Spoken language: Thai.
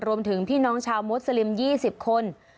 รวมถึงพี่น้องชาวมู้สลิม๒๐คน